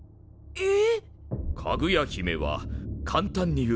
えっ？